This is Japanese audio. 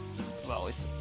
おいしそう。